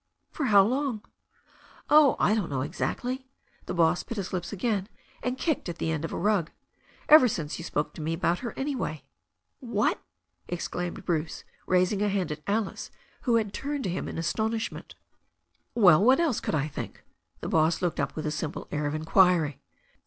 "For how long?" "Oh, I don't know exactly." The boss bit his lips again, and kicked at the end of a rug. "Ever since you spoke to me about her anyway." "What!" exclaimed Bruce, raising a hand at Alice, who had turned to him in astonishment. "Well, what else could I think?" The boss looked up with a simple air of inquiry.